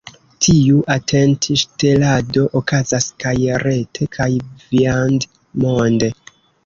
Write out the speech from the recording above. Tiu atentŝtelado okazas kaj rete, kaj viandmonde.